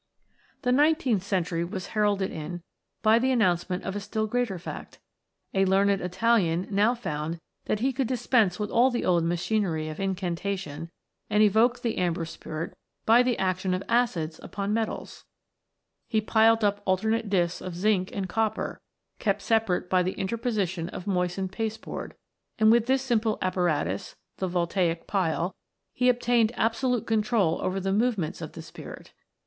The nineteenth century was heralded in by the announcement of a still greater fact. A learned Italian now found that he could dispense with all the old machinery of incantation, and evoke the Amber Spirit by the action of acids upon metals. * The Leyden Jar. C 18 THE AMBER SPIRIT. He piled up alternate disks of zinc and copper, kept separate by the interposition of moistened pasteboard, and with this simple apparatus* he obtained absolute control over the movements of the Spirit.